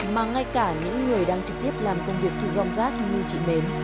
mà ngay cả những người đang trực tiếp làm công việc thu gom rác như chị mến